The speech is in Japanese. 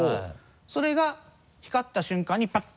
それが光った瞬間にパッ。